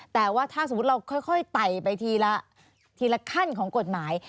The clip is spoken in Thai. แต่ว่าถ้าสมมุติเราค่อยไต่ไปทีละทีละขั้นของกฎหมาย